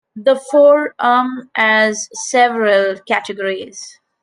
The "Four"um has several categories.